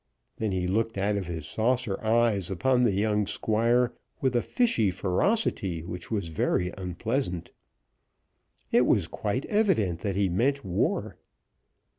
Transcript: Then he looked out of his saucer eyes upon the young Squire with a fishy ferocity, which was very unpleasant. It was quite evident that he meant war.